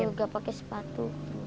iya pakai sepatu